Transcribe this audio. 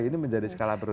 ini menjadi skala beruntung